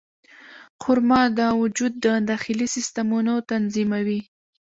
خرما د وجود د داخلي سیستمونو تنظیموي.